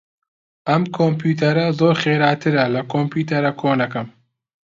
ئەم کۆمپیوتەرە زۆر خێراترە لە کۆمپیوتەرە کۆنەکەم.